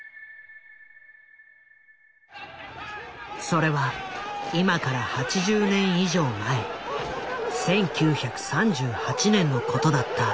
それは今から８０年以上前１９３８年のことだった。